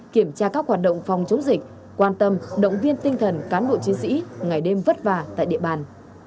kiểm tra các hoạt động phòng chống dịch quan tâm động viên tinh thần cán bộ chiến sĩ ngày đêm vất vả tại địa bàn